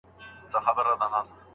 زړه مې ستا عشق اکبر کې را ايسار دی